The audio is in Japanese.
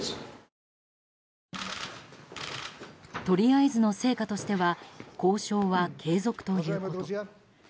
とりあえずの成果としては交渉は継続ということ。